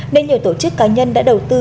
nên nhiều tổ chức cá nhân đã đầu tư